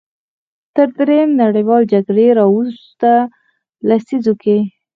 تر دویمې نړیوالې جګړې راوروسته لسیزو کې.